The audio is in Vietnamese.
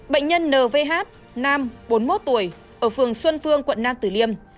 bệnh nhân nvh nam bốn mươi một tuổi ở phường xuân phương quận nam tử liêm